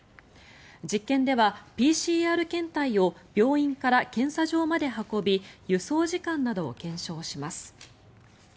実験ではＰＣＲ検体を病院から検査場まで運び輸送時間などを検証します。